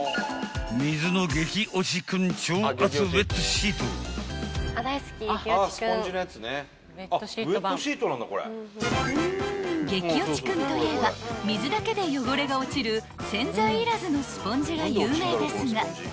［激落ちくんといえば水だけで汚れが落ちる洗剤いらずのスポンジが有名ですが］